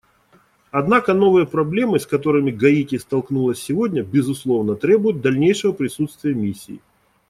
Однако новые проблемы, с которыми Гаити столкнулась сегодня, безусловно, требуют дальнейшего присутствия Миссии.